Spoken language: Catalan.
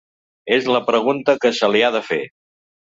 És la pregunta que se li ha de fer.